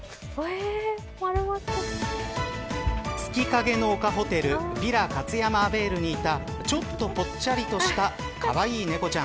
月影の丘ホテルヴィラ勝山アヴェールにいたちょっとぽっちゃりとしたかわいい猫ちゃん。